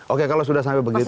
oke kalau sudah sampai begitu